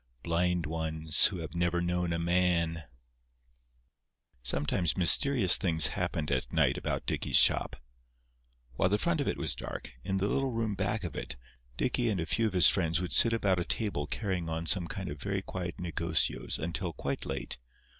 Blind ones who have never known a man." Sometimes mysterious things happened at night about Dicky's shop. While the front of it was dark, in the little room back of it Dicky and a few of his friends would sit about a table carrying on some kind of very quiet negocios until quite late.